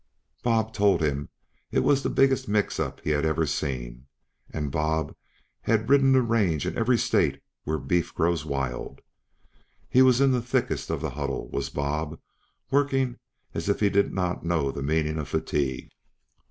Bob told him it was the biggest mix up he had ever seen, and Bob had ridden the range in every State where beef grows wild. He was in the thickest of the huddle, was Bob, working as if he did not know the meaning of fatigue.